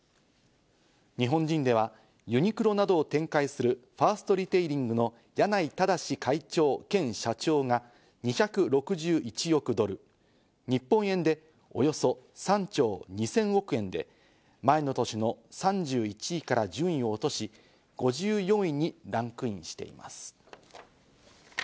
日本人ではユニクロなどを展開するファーストリテイリングの柳井正会長兼社長が２６１億ドル、日本円でおよそ３兆２０００億円で前の年の３１位から順位を落とし５４位にランクインしています。